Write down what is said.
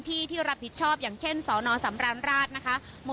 เท่าไหร่ทุกคนต้องการรักษาทุกอย่าง